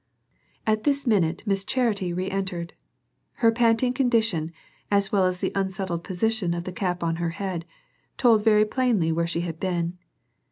At this minute Miss Charity reentered. Her panting condition, as well as the unsettled position of the cap on her head, told very plainly where she had been.